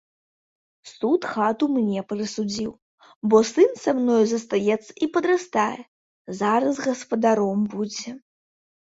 Суд хату мне прысудзіў, бо сын са мною застаецца і падрастае, зараз гаспадаром будзе.